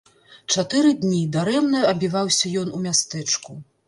Чатыры дні дарэмна абіваўся ён у мястэчку.